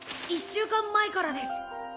１週間前からです。